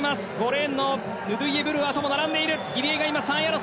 ５レーンのヌドイェ・ブルアーとも並んでいる。